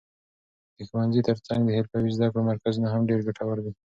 د ښوونځي تر څنګ د حرفوي زده کړو مرکزونه هم ډېر ګټور دي.